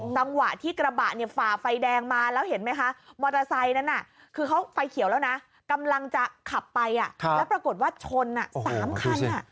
จังหวะที่กระบะเนี่ยฝ่าไฟแดงมาแล้วเห็นไหมคะมอเตอร์ไซค์นั้นคือเขาไฟเขียวแล้วนะกำลังจะขับไปแล้วปรากฏว่าชน๓คัน